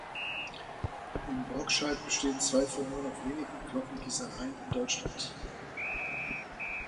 In Brockscheid bestehen zwei von nur noch wenigen Glockengießereien in Deutschland.